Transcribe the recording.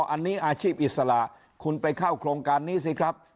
อันนี้อาชีพอิสระคุณไปเข้าโครงการนี้สิครับ